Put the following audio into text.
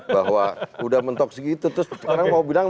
bahwa udah mentok segitu terus orang mau bilang